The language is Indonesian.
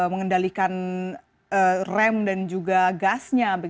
mengendalikan rem dan juga gasnya